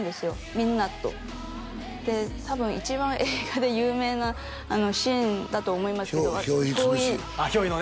みんなとで多分一番映画で有名なシーンだと思いますけどひょう依するシーンあっひょう依のね